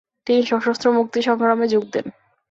তিনি সশস্ত্র মুক্তিসংগ্রামে যোগ দেন।